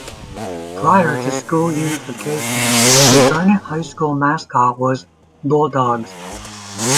Prior to school unification, the Garnett High School mascot was Bulldogs.